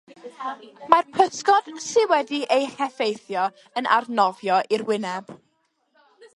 Mae'r pysgod sy wedi eu heffeithio yn arnofio i'r wyneb.